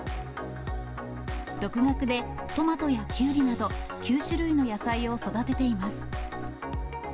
独学でトマトやキュウリなど、９種類の野菜を育てています。